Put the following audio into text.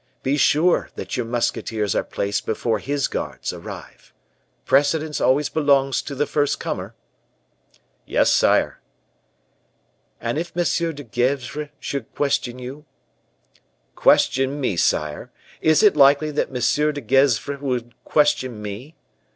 Be sure that your musketeers are placed before his guards arrive. Precedence always belongs to the first comer." "Yes, sire." "And if M. de Gesvres should question you?" "Question me, sire! Is it likely that M. de Gesvres should question me?"